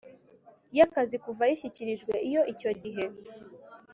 y akazi kuva ayishyikirijwe iyo icyo gihe